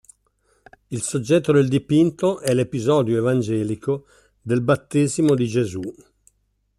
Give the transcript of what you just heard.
Il soggetto del dipinto è l'episodio evangelico del battesimo di Gesù.